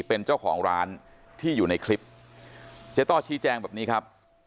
เป็นเจ้าของร้านที่อยู่ในคลิปเจ๊ต้อชี้แจงแบบนี้ครับ